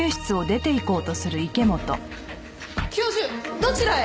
教授どちらへ？